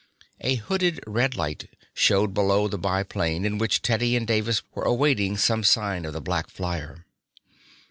A hooded red light showed below the biplane in which Teddy and Davis were awaiting some sign of the black flyer.